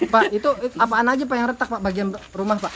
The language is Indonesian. pak itu apaan aja pak yang retak pak bagian rumah pak